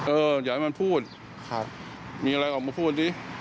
เอออย่าให้มันพูดครับมีอะไรก่อนมาพูดนี้